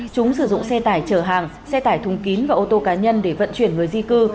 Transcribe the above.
chúng sử dụng xe tải chở hàng xe tải thùng kín và ô tô cá nhân để vận chuyển người di cư